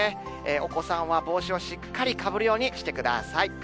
お子さんは帽子をしっかりかぶるようにしてください。